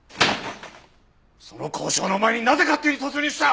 その交渉の前になぜ勝手に突入した！